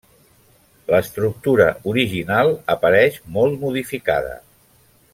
L'estructura original apareix molt modificada.